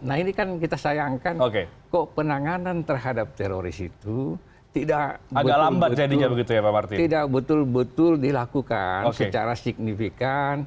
nah ini kan kita sayangkan kok penanganan terhadap teroris itu tidak betul betul dilakukan secara signifikan